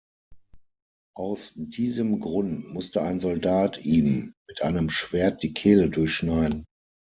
Aus diesem Grund musste ein Soldat ihm mit einem Schwert die Kehle durchschneiden.